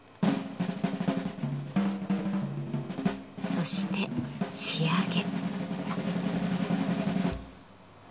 そして仕上げ。